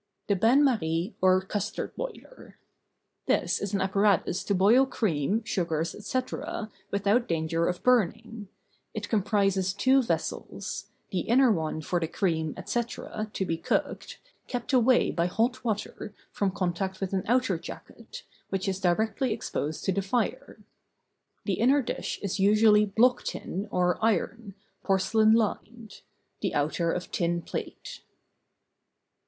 THE BAIN MARIE, OR CUSTARD BOILER. This is an apparatus to boil cream, sugars, etc., without danger of burning. It comprises two vessels—the inner one for the cream, etc., to be cooked, kept away by hot water from contact with an outer jacket, which is directly exposed to the fire. The inner dish is usually block tin or iron, porcelain lined ; the outer of tin plate.